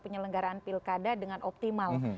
penyelenggaraan pilkada dengan optimal